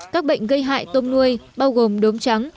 các bệnh gây hại tôm nuôi bao gồm đốm trắng